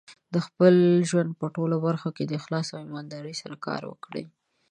د خپل ژوند په ټولو برخو کې د اخلاص او ایمان سره کار وکړئ.